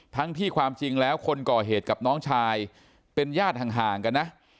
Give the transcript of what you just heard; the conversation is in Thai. ทั้งที่ความจริงแล้วคนก่อเหตุกับน้องชายเป็นญาติห่างกันนะ